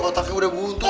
otaknya udah buntu